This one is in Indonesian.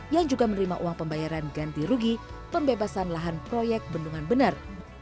yang juga menerima uang pembayaran ganti rugi pembebasan lahan proyek bendungan bener